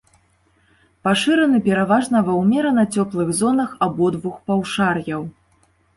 Пашыраны пераважна ва ўмерана цёплых зонах абодвух паўшар'яў.